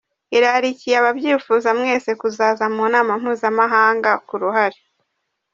Irarikiye ababyifuza mwese kuzaza mu nama mpuzamahanga ku ruhare